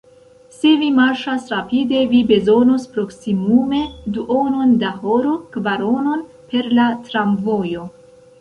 Se vi marŝas rapide, vi bezonos proksimume duonon da horo; kvaronon per la tramvojo.